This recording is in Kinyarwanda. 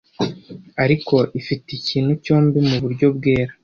Ariko ifite ikintu cyombi muburyo bwera